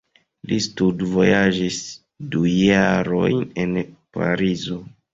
Li studvojaĝis du jarojn en Parizo.